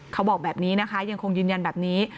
เขาบอกแบบนี้นะคะยังคงยืนยันแบบนี้